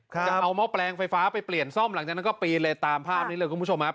จะเอาหม้อแปลงไฟฟ้าไปเปลี่ยนซ่อมหลังจากนั้นก็ปีนเลยตามภาพนี้เลยคุณผู้ชมครับ